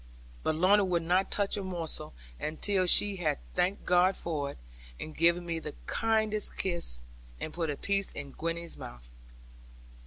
But Lorna would not touch a morsel until she had thanked God for it, and given me the kindest kiss, and put a piece in Gwenny's mouth.